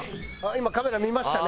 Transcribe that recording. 今カメラ見ましたね。